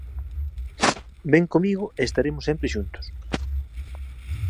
Vén comigo e estaremos sempre xuntos